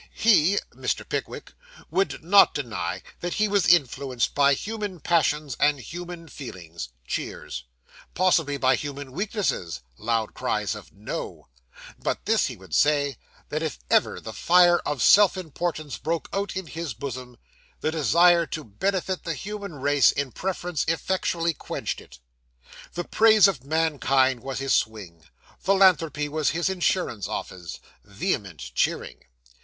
He (Mr. Pickwick) would not deny that he was influenced by human passions and human feelings (cheers) possibly by human weaknesses (loud cries of "No"); but this he would say, that if ever the fire of self importance broke out in his bosom, the desire to benefit the human race in preference effectually quenched it. The praise of mankind was his swing; philanthropy was his insurance office. (Vehement cheering.)